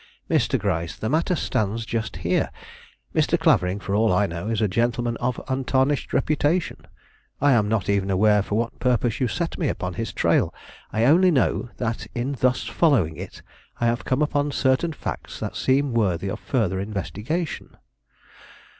"Mr. Gryce, the matter stands just here. Mr. Clavering, for all I know, is a gentleman of untarnished reputation. I am not even aware for what purpose you set me upon his trail. I only know that in thus following it I have come upon certain facts that seem worthy of further investigation."